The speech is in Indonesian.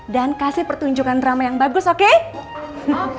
dan kasih pertunjukan drama yang bagus sama kamu